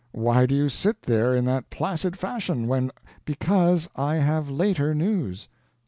Why do you sit there in that placid fashion, when " "Because I have later news."